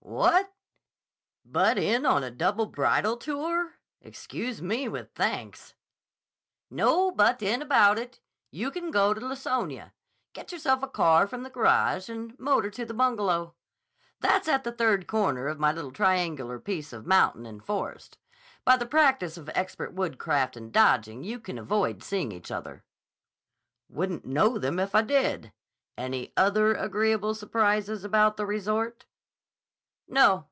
"What? Butt in on a double bridal tour? Excuse me with thanks." "No butt in about it. You can go to Laconia, get yourself a car from the garage, and motor to the Bungalow. That's at the third corner of my little triangular piece of mountain and forest. By the practice of expert woodcraft and dodging you can avoid seeing the others." "Wouldn't know them if I did. Any other agreeable surprises about the resort?" "No.